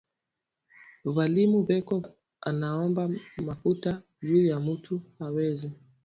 Balimu beko naomba makuta juya mutu aweze